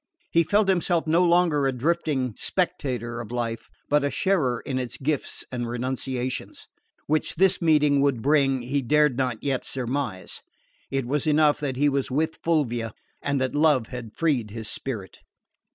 He felt himself no longer a drifting spectator of life but a sharer in its gifts and renunciations. Which this meeting would bring he dared not yet surmise: it was enough that he was with Fulvia and that love had freed his spirit.